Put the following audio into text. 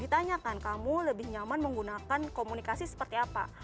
ditanyakan kamu lebih nyaman menggunakan komunikasi seperti apa